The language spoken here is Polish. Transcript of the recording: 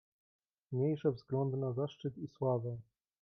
"Miejże wzgląd na zaszczyt i sławę!"